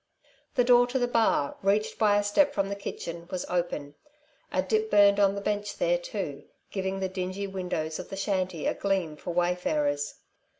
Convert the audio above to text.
The door to the bar, reached by a step from the kitchen, was open. A dip burned on the bench there, too, giving the dingy windows of the shanty a gleam for wayfarers.